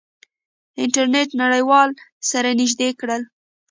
انټرنیټ نړیوال سره نزدې کړل.